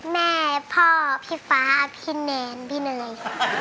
แม่พ่อพี่ฟ้าพี่เนรพี่เนยค่ะ